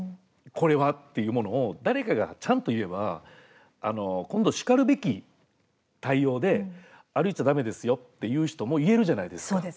これは」っていうものを誰かがちゃんと言えば今度しかるべき対応で「歩いちゃだめですよ」って言う人も言えるじゃないですか。